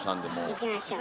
いきましょう。